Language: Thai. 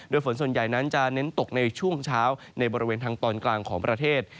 โดยฝนส่วนใหญ่นั้นจะเน้นตกในช่วงเช้าในบริเวณทางตอนกลางของประเทศ